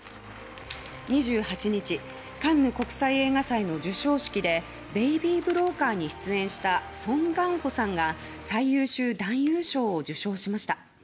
２８日カンヌ国際映画祭の授賞式で「ベイビー・ブローカー」に出演したソン・ガンホさんが最優秀男優賞を受賞しました。